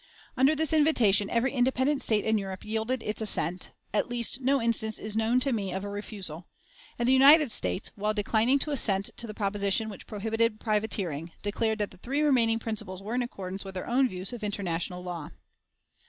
Under this invitation every independent state in Europe yielded its assent at least, no instance is known to me of a refusal; and the United States, while declining to assent to the proposition which prohibited privateering, declared that the three remaining principles were in entire accordance with their own views of international law.